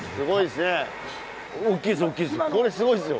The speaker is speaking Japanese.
これ、すごいですね。